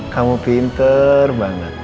kamu pinter banget